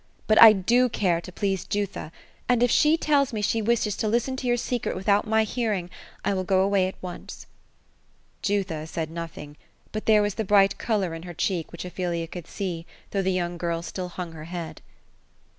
Bat I do care to please Jutlia ; and if she tells me she wishes to listen to jour secret without my hearing, I will go away at once." Jutha said nothing; but there was the bright color in her cheek, which Ophelia could sec, though the young girl still hung her head.